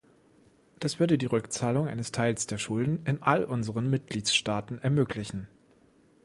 Das würde die Rückzahlung eines Teils der Schulden in all unseren Mitgliedstaaten ermöglichen.